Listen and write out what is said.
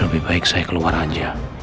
lebih baik saya keluar aja